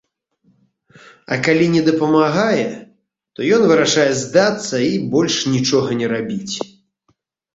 А калі не дапамагае, то ён вырашае здацца і больш нічога не рабіць.